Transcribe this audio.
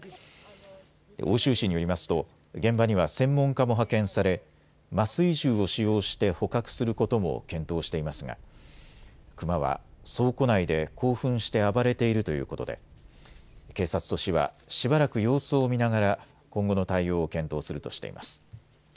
奥州市によりますと現場には専門家も派遣され麻酔銃を使用して捕獲することも検討していますがクマは倉庫内で興奮して暴れているということで警察と市はしばらく様子を見ながら今後の対応を検討するとしています。